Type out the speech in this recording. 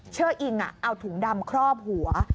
เชอร์อิงเอาถุงดำครอบหัว